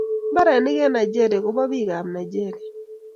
Mbarenik en nigeria ko ba pik ab nigeria